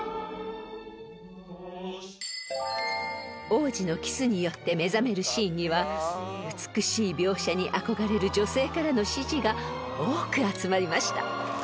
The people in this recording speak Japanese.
［王子のキスによって目覚めるシーンには美しい描写に憧れる女性からの支持が多く集まりました］